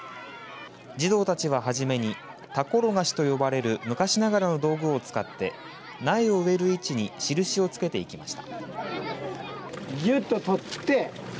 児童たちは初めに田ころがしと呼ばれる昔ながらの道具を使って苗を植える位置に印を付けていきました。